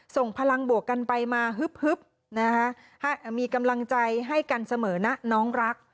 ส่งพลังบวกกันไปมาฮึบนะคะมีกำลังใจให้กันเสมอนะน้องรัก